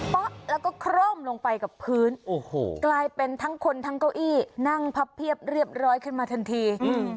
ป๊อล้าก็โคล่มลงไปกับพื้นกลายเป็นทั้งคนทั้งก้าวอี้นั่งรีบออกมาทันที